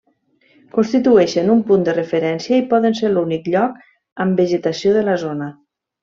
Constitueixen un punt de referència i poden ser l'únic lloc amb vegetació de la zona.